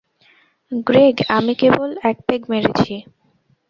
Greg, আমি কেবল এক পেগ মেরেছি।